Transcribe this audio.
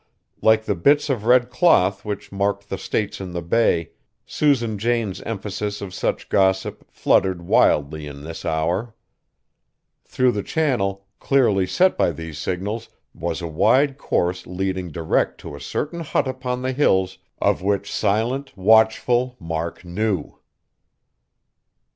Like the bits of red cloth which marked the stakes in the bay, Susan Jane's emphasis of such gossip fluttered wildly in this hour. Through the channel, clearly set by these signals, was a wide course leading direct to a certain hut upon the Hills of which silent, watchful Mark knew!